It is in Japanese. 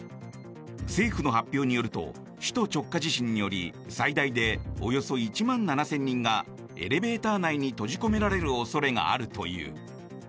政府の発表によると首都直下地震により最大でおよそ１万７０００人がエレベーター内に閉じ込められる恐れがあるという。